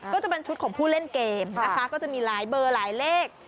ก็จะเป็นชุดของผู้เล่นเกมนะคะก็จะมีหลายเบอร์หลายเลข